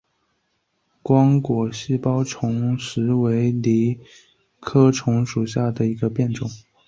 光果细苞虫实为藜科虫实属下的一个变种。